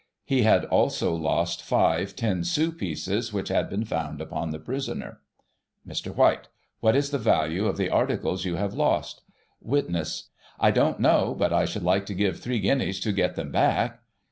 He had also lost five 10 sous pieces, which had been found upon the prisoner Mr. White : What is the value of the articles you have lost? Witness : I don't know ; but I should like to give three guineas to get them back.